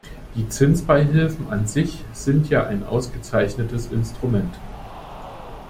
Die Zinsbeihilfen an sich sind ja ein ausgezeichnetes Instrument.